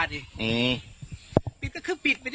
เดี๋ยวก็ว่าดิ